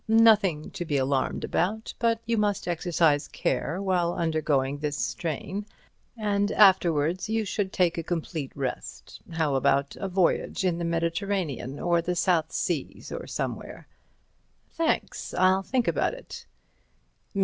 Nothing to be alarmed about, but you must exercise care while undergoing this strain, and afterwards you should take a complete rest. How about a voyage in the Mediterranean or the South Seas or somewhere?" "Thanks. I'll think about it."